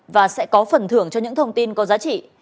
và sẽ có phần thưởng cho những thông tin có giá trị